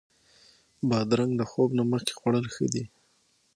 بادرنګ د خوب نه مخکې خوړل ښه دي.